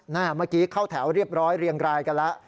เมื่อกี้เข้าแถวเรียบร้อยเรียงรายกันแล้ว